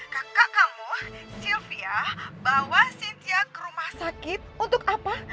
kakak kamu sylvia bawa cynthia ke rumah sakit untuk apa